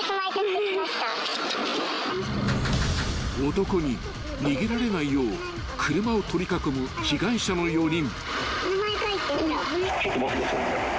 ［男に逃げられないよう車を取り囲む被害者の４人］